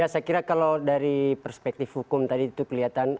ya saya kira kalau dari perspektif hukum tadi itu kelihatan